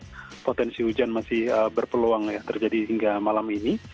karena potensi hujan masih berpeluang ya terjadi hingga malam ini